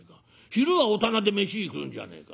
昼は御店で飯食うんじゃねえか。